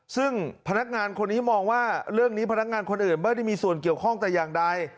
ซึ่งพนักงานคนนี้มองว่าเรื่องนี้พนักงานคนอื่นไม่ได้มีส่วนเกี่ยวข้องแต่อย่างใด